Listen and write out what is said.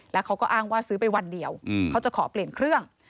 แล้วเขาก็อ้างว่าซื้อไปวันเดียวเขาจะขอเปลี่ยนเครื่อง